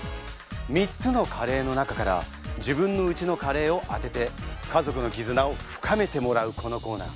３つのカレーの中から自分のうちのカレーを当てて家族の絆を深めてもらうこのコ−ナー。